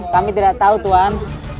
kami tidak tahu tuhan